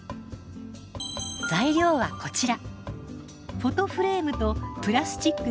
材料はこちら。